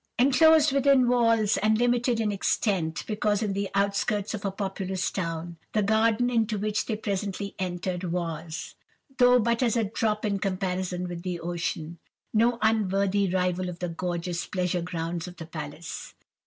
"Enclosed within walls, and limited in extent, because in the outskirts of a populous town, the garden into which they presently entered, was—though but as a drop in comparison with the ocean—no unworthy rival of the gorgeous pleasure grounds of the palace.